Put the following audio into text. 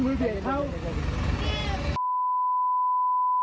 มึงผิดแล้วมึงผิดแล้ว